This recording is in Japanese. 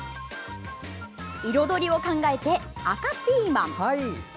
彩りを考えて赤ピーマン。